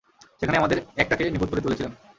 সেখানেই আমাদের অ্যাক্টটাকে নিখুঁত করে তুলেছিলাম।